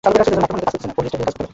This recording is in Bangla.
হ্যাঁ, ভালো আছি।